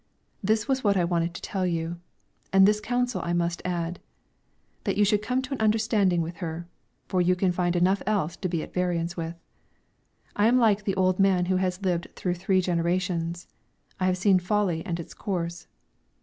This was what I wanted to tell you. And this counsel I must add, that you should come to an understanding with her, for you can find enough else to be at variance with. I am like the old man who has lived through three generations; I have seen folly and its course.